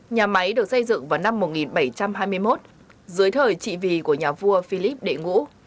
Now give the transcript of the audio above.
nhà máy được xây dựng vào năm một nghìn bảy trăm hai mươi một dưới thời trị vì của nhà vua philip đệ ngũ